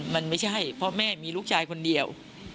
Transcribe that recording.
มันไม่ใช่เพราะแม่มีลูกชายคนเดียว